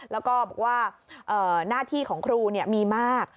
แล้วก็บอกว่าหน้าที่ของครูมีมาก